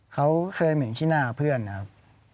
เขาเคยเหม็นขี้หน้าเพื่อนนะครับ